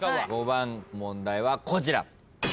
５番問題はこちら。